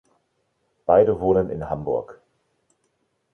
Beide wohnen in Hamburg.